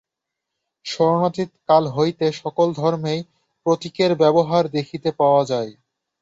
স্মরণাতীত কাল হইতে সকল ধর্মেই প্রতীকের ব্যবহার দেখিতে পাওয়া যায়।